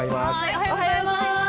おはようございます。